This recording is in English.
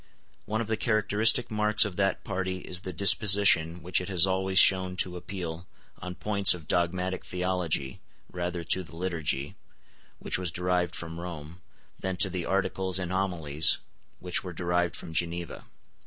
One of the characteristic marks of that party is the disposition which it has always shown to appeal, on points of dogmatic theology, rather to the Liturgy, which was derived from Rome, than to the Articles and Homilies, which were derived from Geneva.